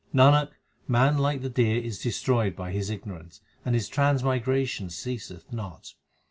Nanak, man like the deer is destroyed by his ignorance, and his transmigration ceaseth not.